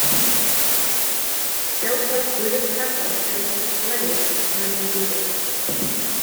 Still Point Buddhist Temple traces its lineage to Korean Buddhism.